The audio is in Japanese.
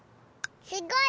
すごい！